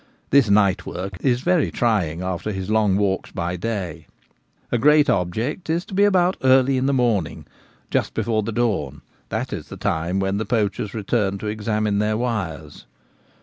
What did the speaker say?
This nightwork is very trying after his long walks by day. A great object is to be about early in the morning — just before the dawn : that is the time when the poachers return to examine their wires.